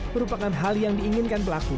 merupakan hal yang diinginkan pelaku